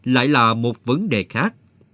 lại là một vấn đề khác